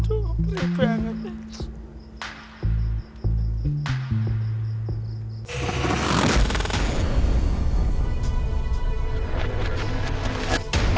aduh gede banget